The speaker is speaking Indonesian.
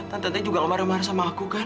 tante tante juga gak marah marah sama aku kan